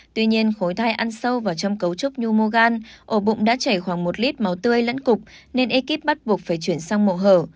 tuy nhiên khối thai ăn sâu vào trong cấu trúc nhu môgan ổ bụng đã chảy khoảng một lít máu tươi lẫn cục nên ekip bắt buộc phải chuyển sang màu hở